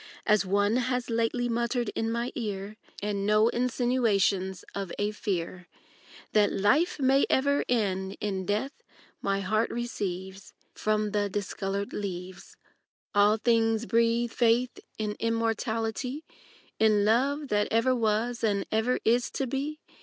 As one has lately muttered in my ear, And no insinuations of a fear Thftt life may ever end in death my heart receives From the discolored leaves. AUTUMN NOTES. 35 All things breathe faith in immortality; In Love that ever was and ever is to be.